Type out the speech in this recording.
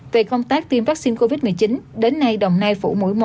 về công tác tiêm vaccine covid một mươi chín đến nay đồng nai phủ mũi một